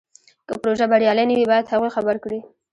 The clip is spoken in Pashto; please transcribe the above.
که پروژه بریالۍ نه وي باید هغوی خبر کړي.